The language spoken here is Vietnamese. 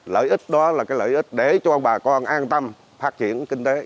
lợi ích đó là cái lợi ích để cho bà con an tâm phát triển